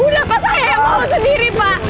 udah pak saya yang bawa sendiri pak